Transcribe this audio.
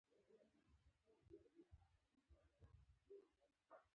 دا نښې سړی په لوستلو کې له تېروتنې څخه ژغوري.